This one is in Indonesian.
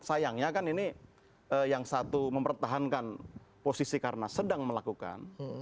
sayangnya kan ini yang satu mempertahankan posisi karena sedang melakukan